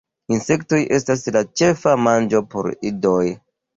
Insektoj estas la ĉefa manĝo por idoj.